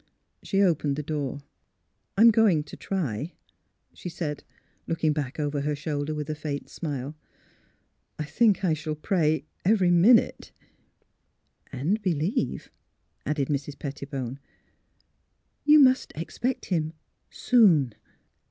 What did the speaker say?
She opened the door. "I'm going to try," she said, looking back over her shoulder with a faint smile. " I think I shall pray — every minute." AT THE PAESONAGE 239 '' And believe," added Mrs. Pettibone. "■ You must expect him — soon."